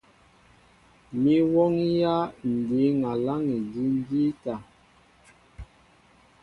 Mi m̀wɔ́ŋyā Ǹ dǐŋ aláŋ edíw ǹjíta.